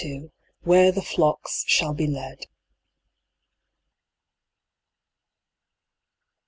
WHERE THE FLOCKS SHALL BE LED.